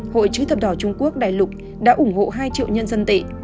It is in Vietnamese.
hội chứa thập đỏ trung quốc đài lục đã ủng hộ hai triệu nhân dân tệ